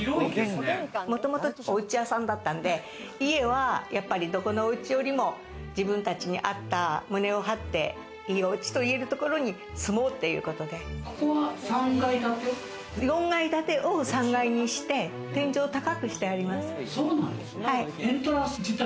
もともとおうち屋さんだったんで、家はどこのうちよりも自分たちに合った胸を張っていいおうちと言えるところに住もうっていうことで４階建てを３階にして天井を高くしてあります。